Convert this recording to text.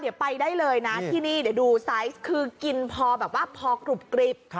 เดี๋ยวไปได้เลยนะที่นี่เดี๋ยวดูไซส์คือกินพอแบบว่าพอกรุบกริบ